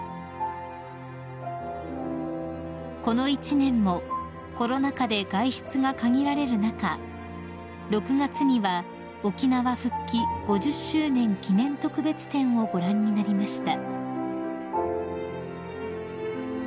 ［この一年もコロナ禍で外出が限られる中６月には沖縄復帰５０周年記念特別展をご覧になりました］